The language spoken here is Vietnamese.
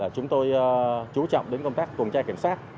chúng tôi chú trọng đến công tác tuần tra kiểm soát